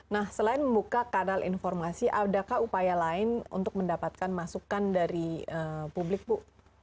nah selain membuka kanal informasi adakah upaya lain untuk mendapatkan masukan dari publik bu